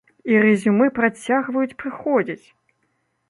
І рэзюмэ працягваюць прыходзіць!